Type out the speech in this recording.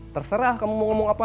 terserah kamu mau ngomong apa